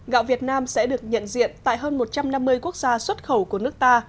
gạo việt nam sẽ được nhận diện tại hơn một trăm năm mươi quốc gia xuất khẩu của nước ta